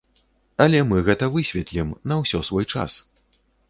Але мы гэта высветлім, на ўсё свой час.